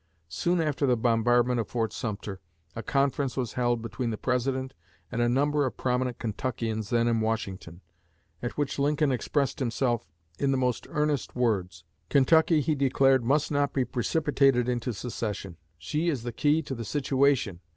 Soon after the bombardment of Fort Sumter a conference was held between the President and a number of prominent Kentuckians then in Washington, at which Lincoln expressed himself in the most earnest words. Kentucky, he declared, "must not be precipitated into secession. She is the key to the situation.